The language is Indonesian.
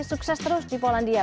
sukses terus di polandia